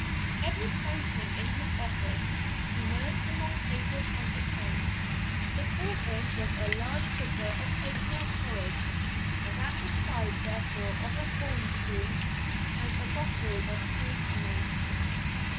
Edward found him in his office, immersed among papers and accounts. Before him was a large bicker of oatmeal porridge, and at the side thereof a horn spoon and a bottle of two penny.